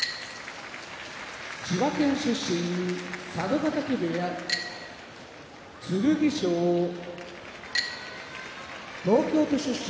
千葉県出身佐渡ヶ嶽部屋剣翔東京都出身